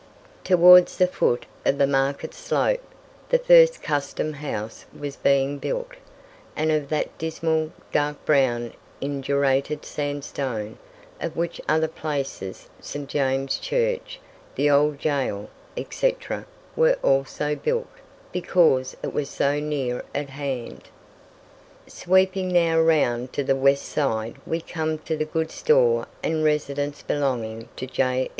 Towards the foot of the market slope the first Custom House was being built, and of that dismal, dark brown indurated sandstone, of which other places St. James's Church, the old gaol, etc. were also built, because it was so near at hand. Sweeping now round to the west side we come to the good store and residence belonging to J.